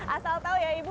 asal tahu ya ibu